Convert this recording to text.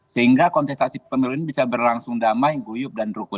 sehingga kontestasi pemilu ini bisa berlangsung damai guyup dan rukun